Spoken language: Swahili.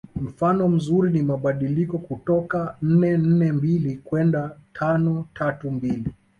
Mfano mzuri ni mabadiliko kutoka nne nne mbili kwenda tano tatu mbili